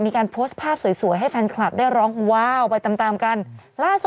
เดี๋ยวกลับมาครับ